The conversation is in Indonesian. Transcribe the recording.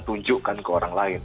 tunjukkan ke orang lain